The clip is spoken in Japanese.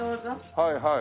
はいはい。